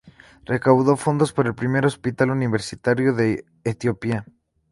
Recaudó fondos para el primer hospital universitario de Etiopía.